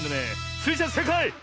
スイちゃんせいかい！